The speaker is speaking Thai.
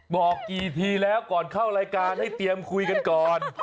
บอกกี่ทีแล้วก่อนเข้ารายการให้เตรียมคุยกันก่อน